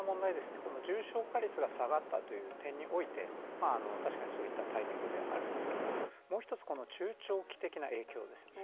この重症化率が下がったという点において確かにそういったタイミングではあるんですけれども、もう一つ中長期的な影響ですよね。